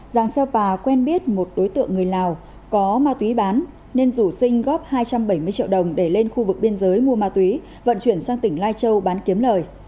giàng xeo pà quen biết một đối tượng người lào có ma túy bán nên rủ sinh góp hai trăm bảy mươi triệu đồng để lên khu vực biên giới mua ma túy vận chuyển sang tỉnh lai châu bán kiếm lời